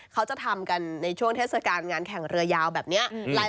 เขาจะทำกันในช่วงเทศกาลงานแข่งเรือยาวแบบนี้